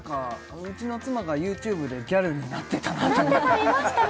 うちの妻がＹｏｕＴｕｂｅでギャルになってたなと思ってなってた見ました